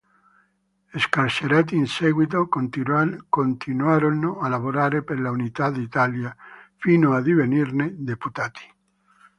Scarcerati in seguito, continuarono a lavorare per l'unità d'Italia, fino a divenirne deputati.